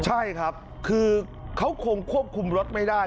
ใช่ครับคือเขาคงควบคุมรถไม่ได้